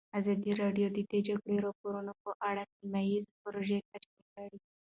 ازادي راډیو د د جګړې راپورونه په اړه سیمه ییزې پروژې تشریح کړې.